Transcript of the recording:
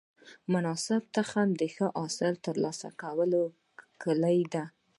مناسب تخم د ښه حاصل د ترلاسه کولو کلي ده.